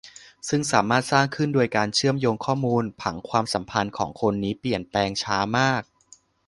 ซึ่งสามารถสร้างขึ้นโดยการเชื่อมโยงข้อมูล - ผังความสัมพันธ์ของคนนี้เปลี่ยนแปลงช้ามาก